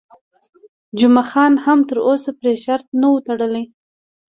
جمعه خان هم تر اوسه پرې شرط نه وي تړلی.